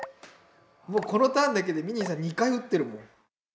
もうこのターンだけでみにいさん２回打ってるもん。